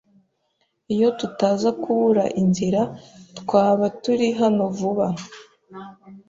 Iyo tutaza kubura inzira, twaba turi hano vuba.